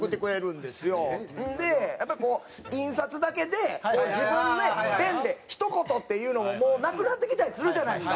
ほんでやっぱりこう印刷だけで自分でペンでひと言っていうのももうなくなってきたりするじゃないですか。